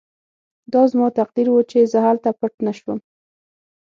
دا زما تقدیر و چې زه هلته پټ نه شوم